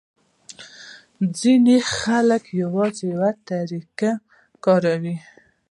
ځینې خلک یوازې یوه طریقه کاروي.